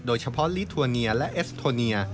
โดยเฉพาะลิทัวเนียและเอสโทเนีย